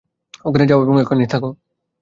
ওখানে যাও এবং ওখানেই থাক।